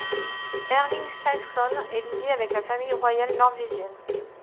Erling Skjalgsson est lié avec la famille royale norvégienne.